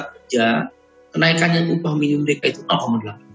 kerja kenaikan yang upah minum dki itu delapan